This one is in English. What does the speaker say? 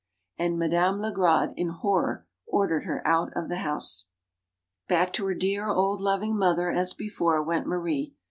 And Madame Legrade, in horror, ordered her out of the house. Back to her dear, old loving mother, as before, went Marie.